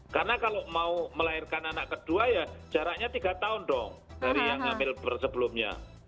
karena kalau mau melahirkan anak kedua jaraknya tiga tahun dari yang hamil bersebelumnya